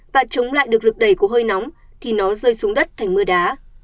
và chống lại được lực đẩy của hơi nóng thì nó rơi xuống đất thành mưa đá